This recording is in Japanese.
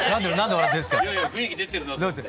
いやいや雰囲気出てるなと思って。